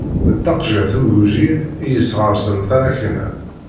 D taqejjiṛt ugujil, i yesɣeṛṣen taṛakna.